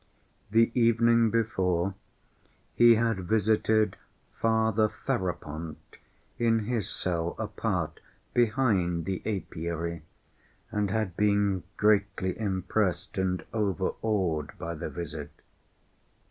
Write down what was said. The evening before he had visited Father Ferapont in his cell apart, behind the apiary, and had been greatly impressed and overawed by the visit.